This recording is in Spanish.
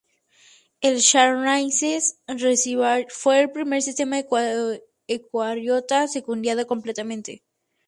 El Saccharomyces cerevisiae fue el primer sistema eucariota secuenciado completamente.